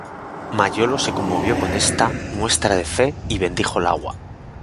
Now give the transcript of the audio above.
Mayolo se conmovió con esta muestra de fe y bendijo el agua.